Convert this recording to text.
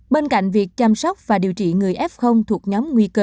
bên cạnh việc chăm sóc và điều trị người f thuộc nhóm nguy cơ